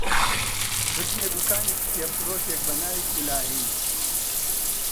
بردمیە دووکانی کتێبفرۆشێک بە ناوی کولاهی